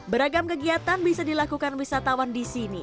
beragam kegiatan bisa dilakukan wisatawan di sini